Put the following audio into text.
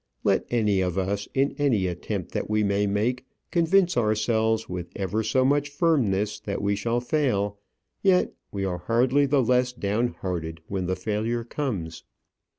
Let any of us, in any attempt that we may make, convince ourselves with ever so much firmness that we shall fail, yet we are hardly the less down hearted when the failure comes.